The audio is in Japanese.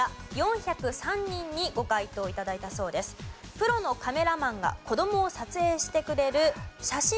プロのカメラマンが子供を撮影してくれる写真